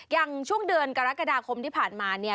อย่างช่วงเดือนกรกฎาคมที่ผ่านมาเนี่ย